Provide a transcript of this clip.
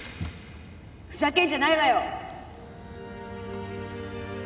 ふざけんじゃないわよ！